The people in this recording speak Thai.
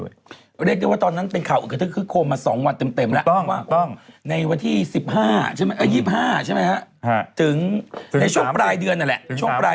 เรียกได้ว่าตอนนั้นเป็นข่าวอึกฤทธิ์คือโคมมา๒วันเต็มแล้วในวันที่๒๕จนถึงช่วงปลายเดือนนั่นแหละ